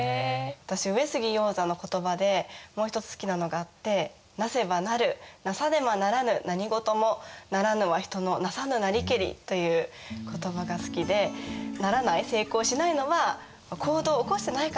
私上杉鷹山の言葉でもう一つ好きなのがあって「なせば成るなさねば成らぬ何事も成らぬは人のなさぬなりけり」という言葉が好きでならない成功しないのは行動を起こしてないからだと。